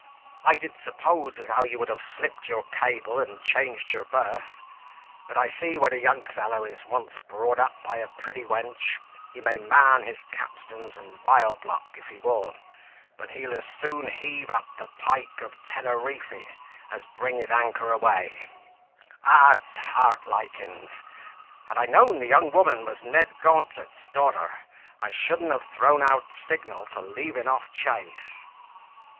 I did suppose as how you would have slipt your cable, and changed your berth; but, I see, when a young fellow is once brought up by a pretty wench, he may man his capstans and viol block, if he wool; but he'll as soon heave up the Pike of Teneriffe, as bring his anchor aweigh! Odds heartlikins! had I known the young woman was Ned Gauntlet's daughter, I shouldn't have thrown out signal for leaving off chase."